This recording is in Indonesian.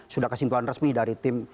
sudah kesimpulan resmi dari tim